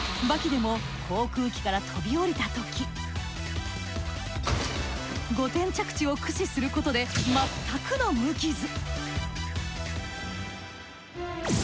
「刃牙」でも航空機から飛び降りたとき五点着地を駆使することでまったくの無傷！